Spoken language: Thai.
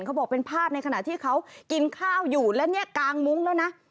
เขาบอกเป็นภาพในขณะที่เขากินข้าวอยู่แล้วเนี่ยกางมุ้งแล้วนะ